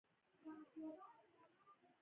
د ایران هنر ظریف دی.